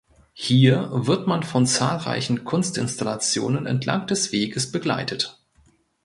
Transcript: Hier wird man von zahlreichen Kunstinstallationen entlang des Weges begleitet.